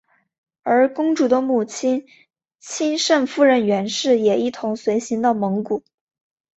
而公主的母亲钦圣夫人袁氏也一同随行到蒙古。